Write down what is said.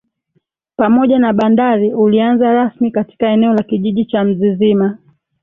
pamoja na bandari ulianza rasmi katika eneo la kijiji cha Mzizima